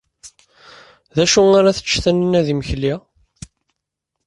D acu ara tečč Taninna d imekli?